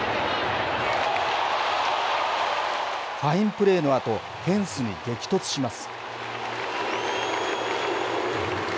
ファインプレーのあと、フェンスに激突します。